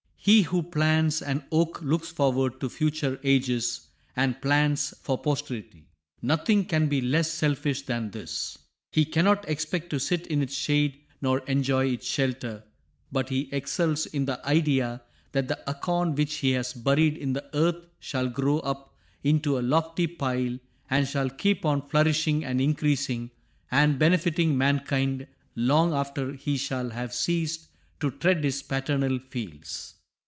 He who plants an oak looks forward to future ages, and plants for posterity. Nothing can be less selfish than this. He cannot expect to sit in its shade nor enjoy its shelter, but he exults in the idea that the acorn which he has buried in the earth shall grow up into a lofty pile and shall keep on flourishing and increasing and benefiting mankind long after he shall have ceased to tread his paternal fields.